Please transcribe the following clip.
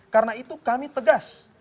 karena itu kami tegas